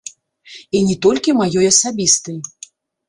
І не толькі маёй асабістай.